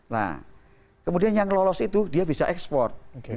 nah kemudian yang lolos itu dia bisa ekspor